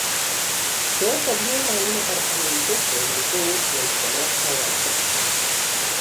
Se adapta bien a un apartamento, sobre todo si hay terraza o balcón.